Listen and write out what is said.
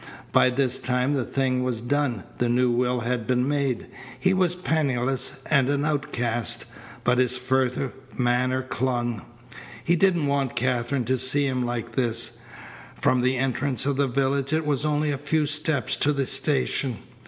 By this time the thing was done. The new will had been made. He was penniless and an outcast. But his furtive manner clung. He didn't want Katherine to see him like this. From the entrance of the village it was only a few steps to the station.